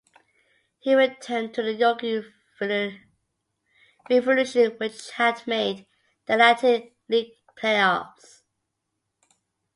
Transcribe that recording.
He returned to the York Revolution which had made the Atlantic League playoffs.